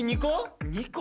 ２個？